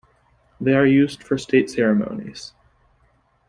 They are used for State ceremonies.